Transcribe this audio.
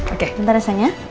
oke nanti rasanya